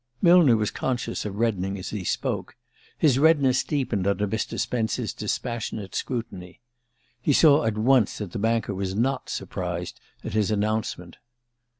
Millner was conscious of reddening as he spoke. His redness deepened under Mr. Spence's dispassionate scrutiny. He saw at once that the banker was not surprised at his announcement.